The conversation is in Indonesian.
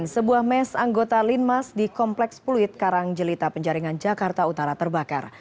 sebuah mes anggota linmas di kompleks fluid karangjelita penjaringan jakarta utara terbakar